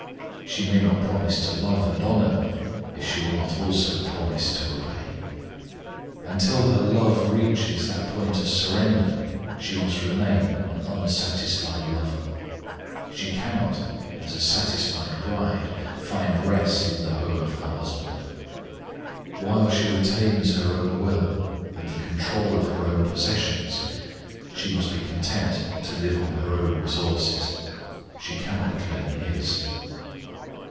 She may not promise to love and honour if she will not also promise to obey: and till her love reaches that point of surrender she must remain an unsatisfied lover she cannot, as a satisfied bride, find rest in the home of her husband. While she retains her own will, and the control of her own possessions, she must be content to live on her own resources; she cannot claim his.